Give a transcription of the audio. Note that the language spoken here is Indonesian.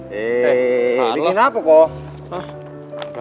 hei bikin apa kok